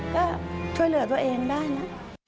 ก็ช่วยเหลือตัวเองได้นะ